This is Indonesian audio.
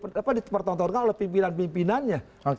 kekuatan yang diperkenalkan oleh pimpinan pimpinannya